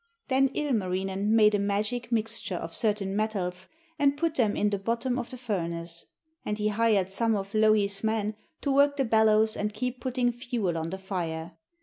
Then Ilmarinen made a magic mixture of certain metals and put them in the bottom of the furnace. And he hired some of Louhi's men to work the bellows and keep putting fuel on the fire.